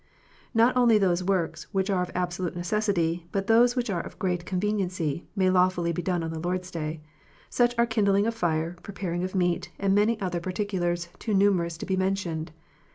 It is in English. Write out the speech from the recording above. Not only those works which are of absolute necessity, but those which are of great conveniency, may lawfully be done on the Lord s Day : such are kindling of fire, preparing of meat, and many other particulars too numerous to be mentioned.